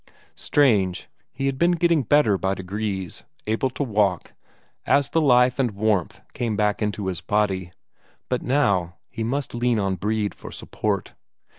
Strange, he had been getting better by degrees, able to walk, as the life and warmth came back into his body. But now he must lean on Brede for support!